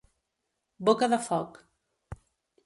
Boca de foc.